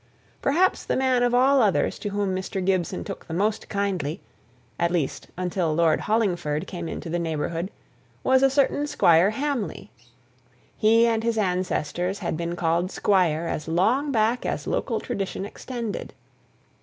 Perhaps the man of all others to whom Mr. Gibson took the most kindly at least, until Lord Hollingford came into the neighbourhood was a certain Squire Hamley. He and his ancestors had been called squire as long back as local tradition extended.